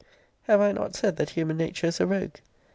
Have I not said that human nature is a rogue?